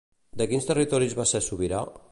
De quins territoris va ser sobirà?